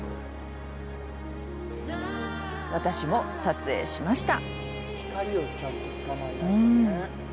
私も撮影しました。